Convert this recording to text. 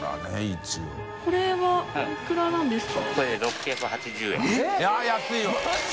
天丼おいくらなんですか？